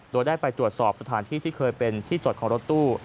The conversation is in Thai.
โดยได้ไปตรวจสอบสถานที่ที่เคยเป็นที่จอดของรถตู้